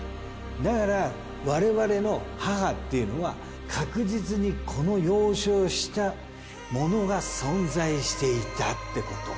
だから我々の母っていうのは確実にこの容姿をしたものが存在していたってこと。